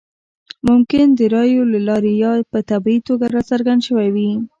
ممکن د رایو له لارې یا په طبیعي توګه راڅرګند شوی وي.